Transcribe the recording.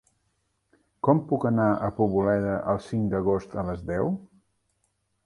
Com puc anar a Poboleda el cinc d'agost a les deu?